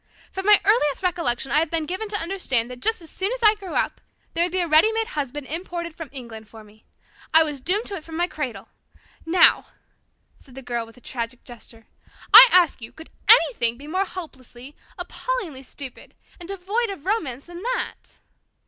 From my earliest recollection I have been given to understand that just as soon as I grew up there would be a ready made husband imported from England for me. I was doomed to it from my cradle. Now," said the Girl, with a tragic gesture, "I ask you, could anything be more hopelessly, appallingly stupid and devoid of romance than that?"